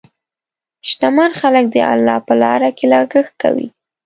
شتمن خلک د الله په لاره کې لګښت کوي.